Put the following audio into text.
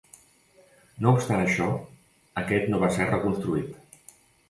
No obstant això, aquest no va ser reconstruït.